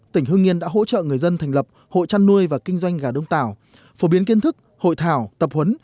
tỉnh hương nghiên đã hỗ trợ người dân thành lập hội trăn nuôi và kinh doanh gà đông tảo phổ biến kiến thức hội thảo tập huấn